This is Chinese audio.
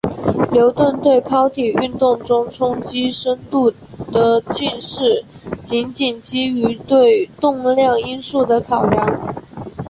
牛顿对抛体运动中冲击深度的近似仅仅基于对动量因素的考量。